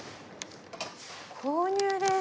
購入です。